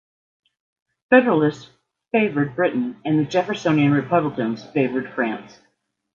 Federalists favored Britain and the Jeffersonian Republicans favored France.